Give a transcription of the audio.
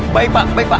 baik pak baik pak